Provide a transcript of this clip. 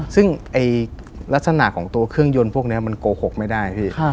ซึ่งลักษณะของตัวเครื่องยนต์พวกนี้มันโกหกไม่ได้พี่